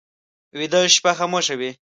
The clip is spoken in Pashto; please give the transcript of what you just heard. ویده شپه خاموشه وي